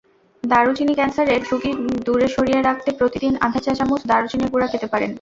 দারুচিনিক্যানসারের ঝুঁকি দূরে সরিয়ে রাখতে প্রতিদিন আধা চা-চামচ দারুচিনির গুঁড়া খেতে পারেন।